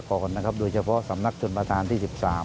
ระเบิดเชศและสากรนะครับโดยเฉพาะสำนักจุลประดานที่๑๓